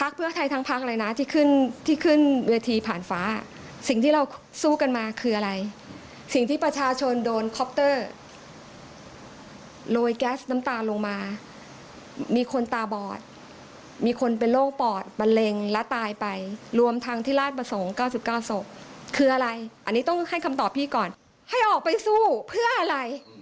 อันนี้ต้องให้คำตอบพี่ก่อนให้ออกไปสู้เพื่ออะไร